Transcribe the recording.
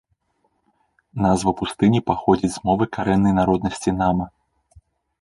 Назва пустыні паходзіць з мовы карэннай народнасці нама.